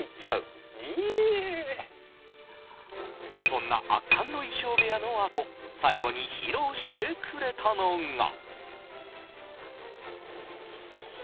そんな圧巻の衣装部屋のあと最後に披露してくれたのが。